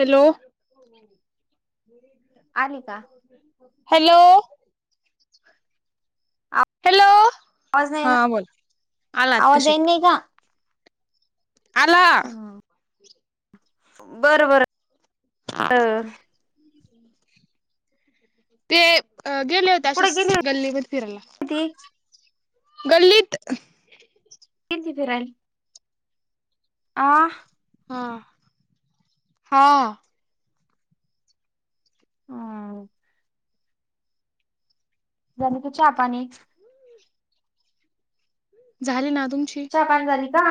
Hello आली का hello hello आवाज नाही हा ना बोल आला आवाज आतशी येई नाही का आला बर बर ते अ गेले होते कुठे गेली असेच गल्लीमध्ये होती ती फिरायला गल्लीत गल्लीत फिरायला आ हां हा ह झाले का चहा पाणी झाले ना तुमची चहा पाणी झाली का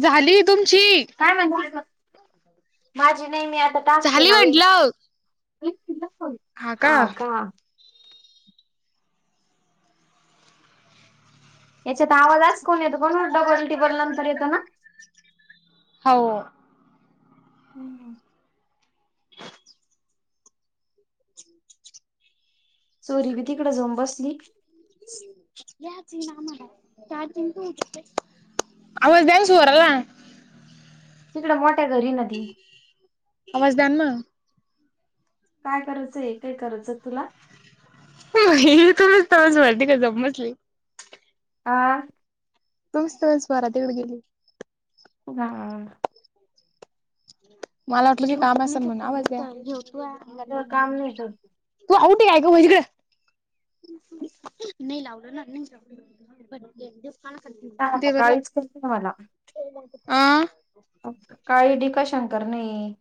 झाली तुमची काय म्हण माझी नाही मी आता टाकते झाली नवीन म्हंटलं हा का याच्यात आवाजच कोण येतो कोण डबल टिबल नंतर येतं ना हो हम्म हम्म चोरी बी तिकडे जाऊन बसली आवाज द्या स्वराला तिकडे मोठ्या घरी नदी आवाज द्या ना काय करायचं हे काय करायचं तुला म तुलाच तेव्हाच वाटली का जाऊन बसली हा तूच तेव्हा बारातीकडे गेली [unintelligible] हम मला वाटलं की काम असल म्हणून आवाज तिथ काम नाही करत [unintelligible] नाही लावलं ना मी करत देवर ला काळीच करते मला आं का शंकर नाही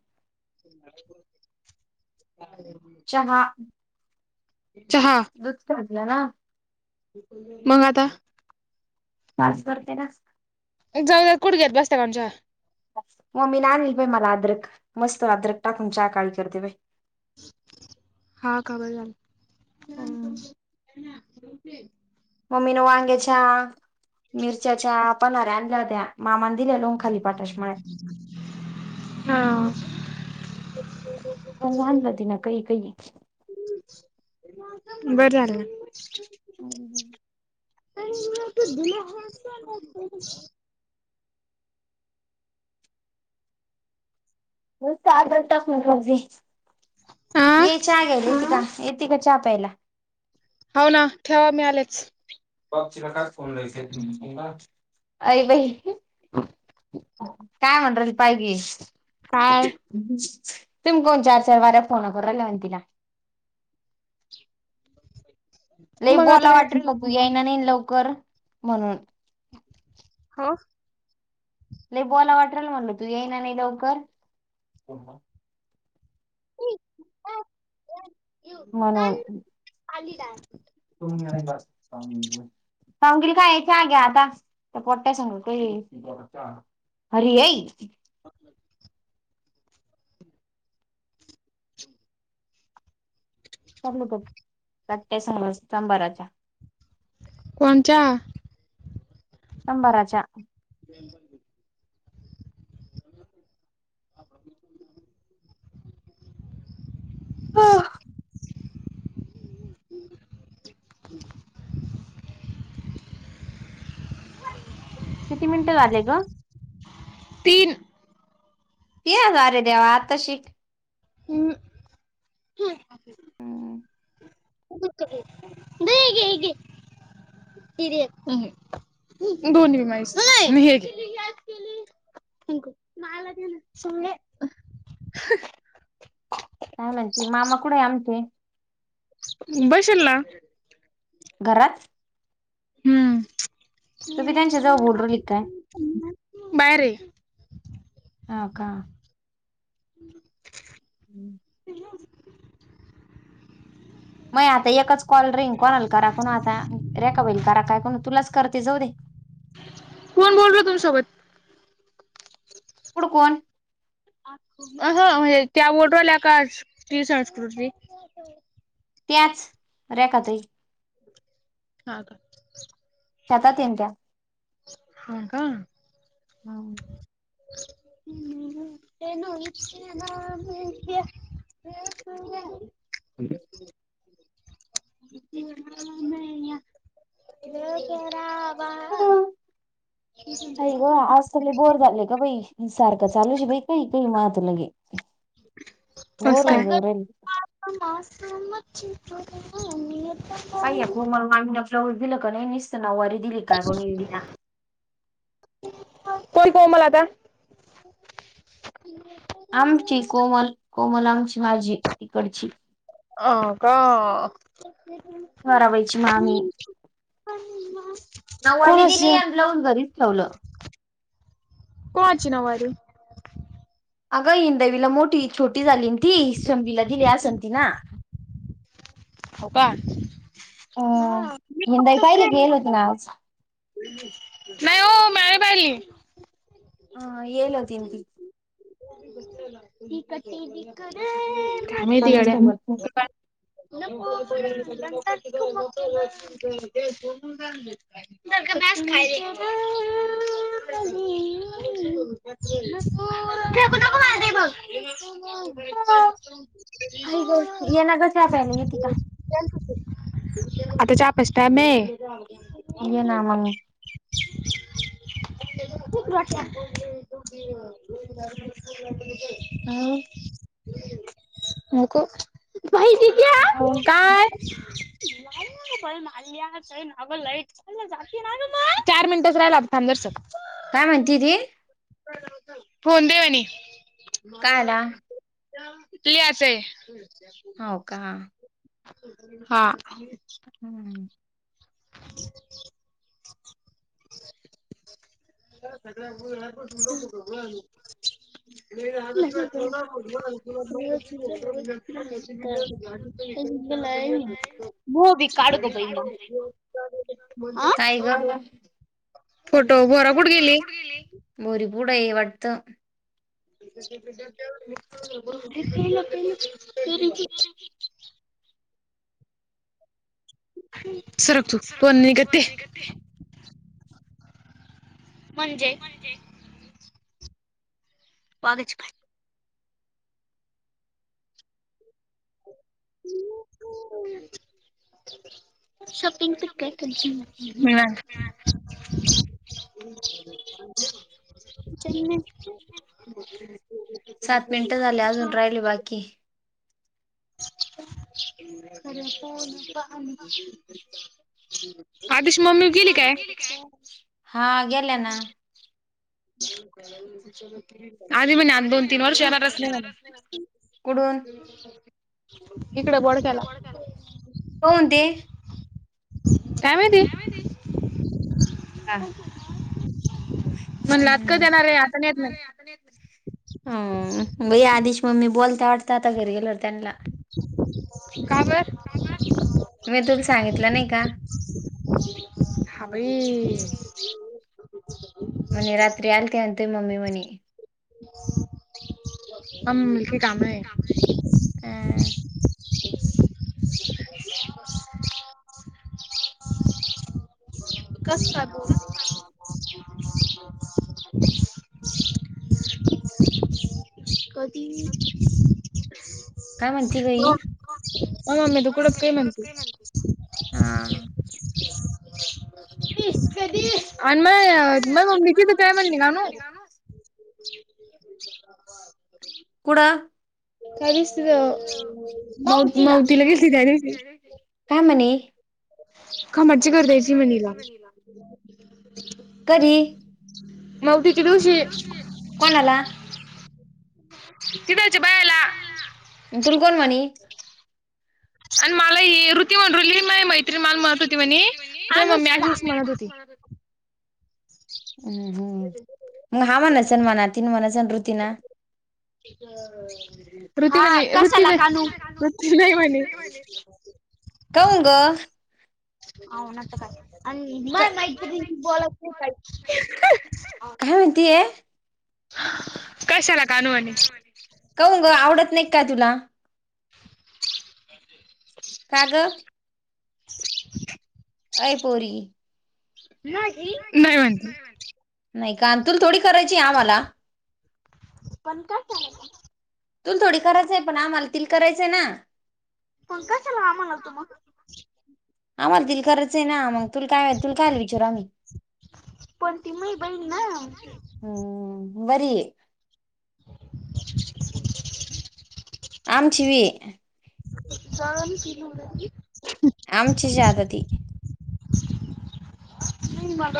[inaudible] चहा चहा जरा मगं आता पास करते ना एक जाऊ कुठ घेत बसते कोमच्या मम्मीने आणली बाई मला अद्रक मस्त अद्रक टाकून चाय काळी करते बाई. हा कळवलं. रिकामा ऑडिओ मी ना वांग्याच्या मिरच्याच्या पणं नळ्या आणल्या होत्या मामा हां. [unintelligible] बर झालं. [unintelligible] [unintelligible] [inaudible] ये आ चाय घ्यायला येते का चहा प्यायला? हो ना ठेवा मी आलेच. [inaudible] अरे बाई काय [unintelligible] रिकामा ऑडिओ काय तुम्ही कोण चार चार बऱ्या फोन करायला तिला? लई मग आता बोला वाट काय याय ना नाही लवकर म्हणून. अ. लय बोला वाटल म्हणल तू येई ना नाही लवकर. म्हणून. [unintelligible] हरी येई. रिकामा ऑडिओ सांगू नको त्यात काय समज चांभाराच्या.. कोनच्या? चांबराच्या. रिकामा ऑडिओ रिकामा ऑडिओ रिकामा ऑडिओ किती मिनिटं लागले गं? तीन ती येणार आहे देवा आताशी. अहं हं. हं. [unintelligible] हर घे. [unintelligible] सुन ले. काय म्हणती मामा कुठे आहे आमचे? बशेल ना. घरात? हूं तू बी त्यांच्या जवळ बोल राहिली काय बाहेर हे. हो का? [inaudible] [inaudible] मायी आता एकच कॉल रिंग कोणाला करा कोण आता, रेखा बाईला करा काय कोण तुलाच करते जाऊ दे [inaudible] कोण बोल र तुमसोबत? कुड कोण? अ हं म्हणजे त्या वोट वाल्या का ती संस्कृती त्याच रेखा ताई. हा का. शेतात हे न त्या. ह का. हं! हूं! [unintelligible] [inaudible] [unintelligible] आई ग आज तर लय बोर झाले ग बई सारखं चालू च बाई कई कई महात लगे. बोर होऊन जाऊ राहिले मा [unintelligible] बाई या कोमल मामीन, ब्लॉउज दिल का नाही निसतं नऊ वारी ही का कोणी एडीना कोन कोमल आता? आमची कोमल, कोमल आमची माझी. तिकडची अ का हिराबाईची मामी नऊवारी दिली, कोणाची आणि ब्लाऊज घरीच ठेवलं कोणाची नऊवारी? अगं हिंदवीला मोठी छोटी झाली न ती शंभीला दिली असं ती ना. हो का अं हां मी हिंदाई फक्त पाहिली का खेळणं? येल होती ना [unintelligible] आज नाही हो म्या नही पहिली हा येईल अ ती न ती. [unintelligible] मम्मी सोबत [unintelligible] बस खाली [unintelligible] नको [unintelligible] [inaudible] [unintelligible] हाय ग आता ये ना ग प्यायला चहा येती का प्यायचा टाइम हे ये ना मंग. खूप रोठया? हो! नको भाई दिदया हो काय? ब मा नाग लई [unintelligible] चार मिनिटच राहिला थांब जरासं [unintelligible] काय म्हणती ती? फोन दे वहिनी? काय आला क्लियरच आहे. हो का. हा. रिकामा ऑडिओ रिकामा ऑडिओ [unintelligible] [inaudible] काय ग [inaudible] फोटो भोरा कुठ गेली? बोरीपूड आहेई वाटत. [inaudible] सरक तू कोन निगते? म्हणजे. बाघच हम् शॉपिंग काय च सात मिनटं झाली अजून राहिली बाकी खरे फन का [unintelligible] आधिश मम्मी गेली काय हा गेल्या ना होल क आधी म्हणे दोन तीन वर्ष येणारच नाही म कोनते काय माहिती हा म्हणलातकत येणार आहे आता येत नाही हम बै आधिश मम्मी बोलते वाटत आता घरी गेलवर त्यांना का बर मी तु सांगितलं नाही का हभी म रात्री आल त्यांतुय मम्मी मणे आम मलकी काम आहे अ [inaudible] कसग कधी काय म्हणती गय मग मम्मी तू हा आम द कुडत म्हणते काय मती आणि मग मग म तथ काय म्हणली का न कुड त्या दिवशी तिथं मावतीला गेलती त्या दिवशी तीला काय म्हणे खमाटची कर द्यायची म्हणीला घरी ती दिवशी कोणाला किच बायला तुलकोण मणी आणि मला येर म्हणरली म मैत्री माल म्हणत होती म्हणे म मी दिवस म्हणत होती हम्म हम् मग हा म्हना सण मना तीन मनाचा ऋती ना पृथ्वी ग पृथ्वी नाही म्हणे काौंग हनत काय आणि माय माहिती त बलात नाही का कानू म्हणे क कहू ग आवडत नाही का तुला [inaudible] कागं [inaudible] ऐपोरी नाही नाही म्हणते नाही काण तुून थोडी करायची आ मला पण काच आहेल तुला थोडी करायचंय पण आम्हाला त करायचंय ना पं कशाला आम्हाला होतो मग आम्हाला तल करच आहे ना मग तू काय तू कायल विचार आम्ही हम् वर [inaudible] आमचीिवी जाग फिरी आमची जादादी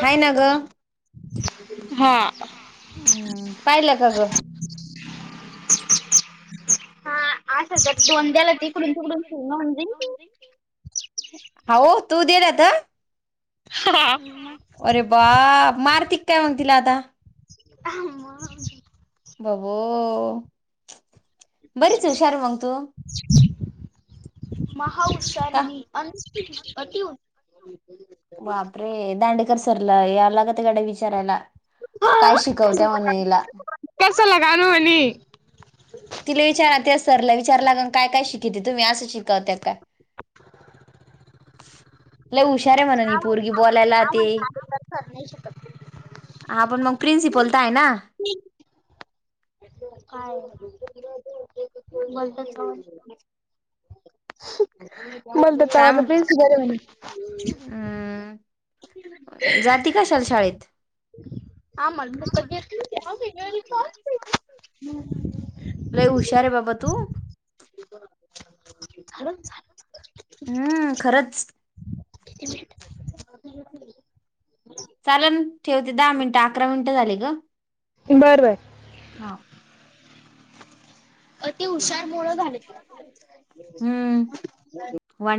हाय ना ग हा हम्म पाहिलं का ग दोन द्याला तिकडून तिकडून फिमई हो तू दे राता हा अरे बा मार्तिक काय मग तला आता ह बबू बरीच हुशार मंग तू का महाउषारनी अन अिव सरलं या लागत गडे विचारायला काय शिकवत्या म्हणणीला कशाला कानू म्हणे तिला विचाराात सरला विचारलाग काय काय शिकती तुम्ही असं शिकावत का [inaudible] ल हुशार आहे म्हण पोरगी बोलायला ते आपण मग प्रिन्सिपल तर आहे ना काय बोलतस का मण तर त काय माझ प्रिन्स बर म्हणे हम्म जाती काशाल शाळेत ह म ल हुशार आहे बाबा तू झाचालं झाचा हम्म खरंच किती मि चाले ठेवते दहा मिनिटं अकरा मिनिटं झाली ग बर बर हा अति हुशार मुळ झाले हम्म वन